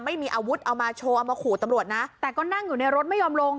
ไม่มีอาวุธเอามาโชว์เอามาขู่ตำรวจนะแต่ก็นั่งอยู่ในรถไม่ยอมลง